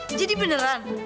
eh jadi beneran